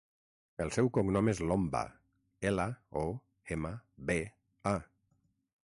El seu cognom és Lomba: ela, o, ema, be, a.